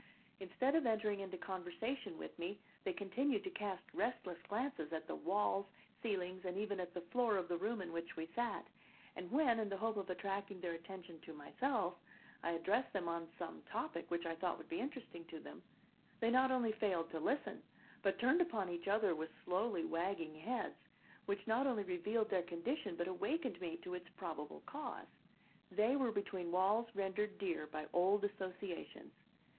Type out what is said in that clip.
Instead of entering into conversation with me they continued to cast restless glances at the walls, ceilings, and even at the floor of the room in which we sat, and when, in the hope of attracting their attention to myself, I addressed them on some topic which I thought would be interesting to them, they not only failed to listen, but turned upon each other with slowly wagging heads, which not only revealed their condition but awakened me to its probable cause. They were between walls rendered dear by old associations.